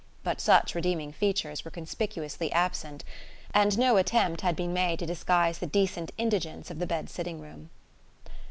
But such redeeming features were conspicuously absent, and no attempt had been made to disguise the decent indigence of the bed sitting room.